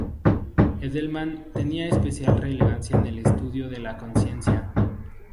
Edelman tenía especial relevancia en el estudio de la conciencia.